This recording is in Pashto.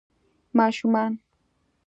ماشومان